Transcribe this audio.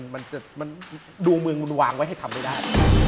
มันดวงเมืองมันวางไว้ให้ทำไม่ได้